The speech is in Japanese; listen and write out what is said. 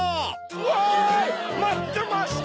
わいまってました！